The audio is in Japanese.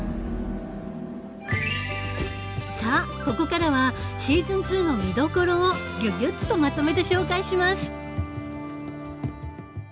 さあここからはシーズン２の見どころをギュギュッとまとめて紹介します。